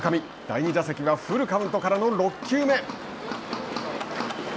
第２打席はフルカウントからの６球目。